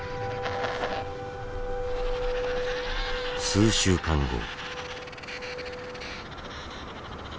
数週間後。